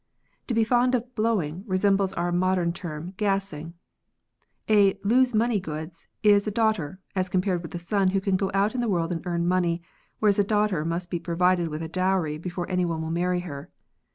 To be fond of hlowing resembles our modern term gassing, A lose ^money goods is a daughter as compared with a son who can go out in the world and earn money, whereas a daughter must be provided with a dowry before any one will marry her.